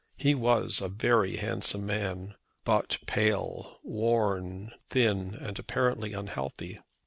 He was a very handsome man, but pale, worn, thin, and apparently unhealthy.